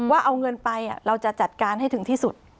ว่าเอาเงินไปเราจะจัดการให้ถึงที่สุด